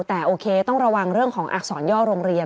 แต่โอเคต้องระวังเรื่องของอักษรย่อโรงเรียน